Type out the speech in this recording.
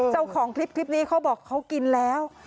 เจ้าของคลิปนี้เขาบอกเขากินแล้ว